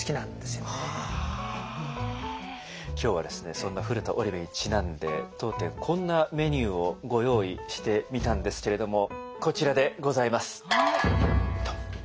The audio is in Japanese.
今日はそんな古田織部にちなんで当店こんなメニューをご用意してみたんですけれどもこちらでございます。